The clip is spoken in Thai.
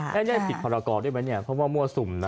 แล้วมีภัตรกรหรือเปล่าเพราะว่ามั่วสุ่ม